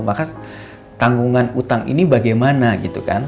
maka tanggungan utang ini bagaimana gitu kan